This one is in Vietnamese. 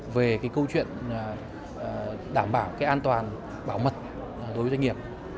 về cái câu chuyện đảm bảo cái an toàn bảo mật đối với doanh nghiệp